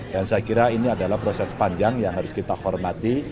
dan saya kira ini adalah proses panjang yang harus kita hormati